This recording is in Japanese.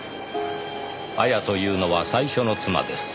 「亞矢というのは最初の妻です」